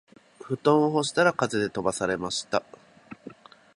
布団を干したら風で飛ばされました